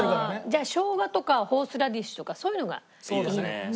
じゃあ生姜とかホースラディッシュとかそういうのがいいのかもね。